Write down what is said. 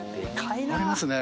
ありますね